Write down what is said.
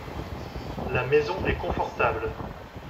La maison est confortable.